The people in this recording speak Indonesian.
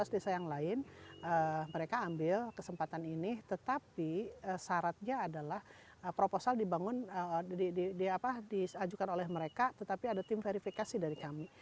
lima belas desa yang lain mereka ambil kesempatan ini tetapi syaratnya adalah proposal dibangun diajukan oleh mereka tetapi ada tim verifikasi dari kami